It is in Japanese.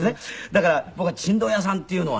だから僕はチンドン屋さんっていうのはね